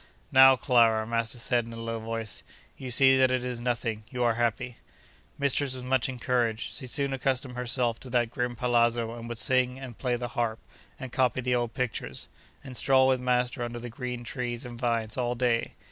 'Now, Clara,' master said, in a low voice, 'you see that it is nothing? You are happy.' Mistress was much encouraged. She soon accustomed herself to that grim palazzo, and would sing, and play the harp, and copy the old pictures, and stroll with master under the green trees and vines all day.